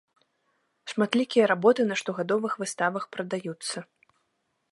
Шматлікія работы на штогадовых выставах прадаюцца.